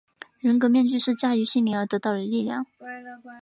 人格面具是驾驭心灵而得到的力量。